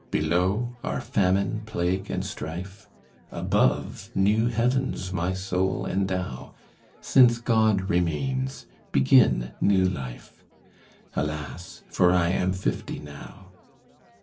Below are famine, plague, and strife; Above, new heavens my soul endow: Since God remains, begin, new life! Alas, for I am fifty now!